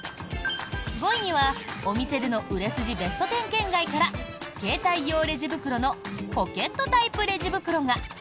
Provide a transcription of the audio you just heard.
５位には、お店での売れ筋ベスト１０圏外から携帯用レジ袋のポケットタイプレジ袋が。